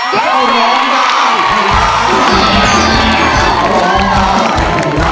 เร็วเข้า